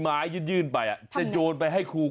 ไม้ยื่นไปจะโยนไปให้ครู